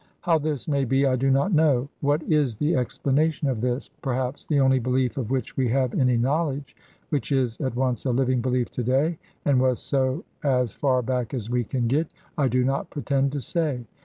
How this may be I do not know. What is the explanation of this, perhaps the only belief of which we have any knowledge which is at once a living belief to day and was so as far back as we can get, I do not pretend to say.